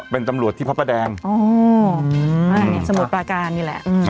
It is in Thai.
เป็นตำลวดที่พระประแดงอ๋ออือสมุดประการนี่แหละอือ